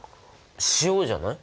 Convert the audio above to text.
塩じゃない？